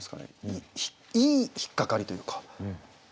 いい引っ掛かりというか。